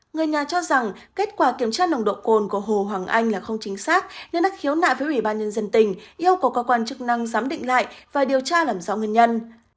người nhà cho rằng kết quả kiểm tra nồng độ cồn của hồ hoàng anh là không chính xác nên đã khiếu nại với ủy ban nhân dân tỉnh yêu cầu cơ quan chức năng giám định lại và điều tra làm rõ nguyên nhân